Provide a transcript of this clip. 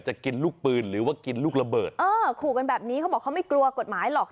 กินลูกปืนหรือว่ากินลูกระเบิดเออขู่กันแบบนี้เขาบอกเขาไม่กลัวกฎหมายหรอก